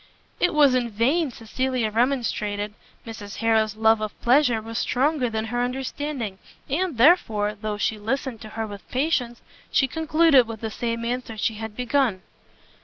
It was in vain Cecilia remonstrated: Mrs Harrel's love of pleasure was stronger than her understanding, and therefore, though she listened to her with patience, she concluded with the same answer she had begun.